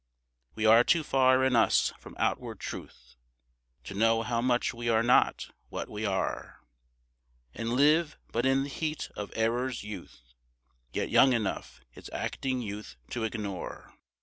We are too far in us from outward truth To know how much we are not what we are, And live but in the heat of error's youth, Yet young enough its acting youth to ignore.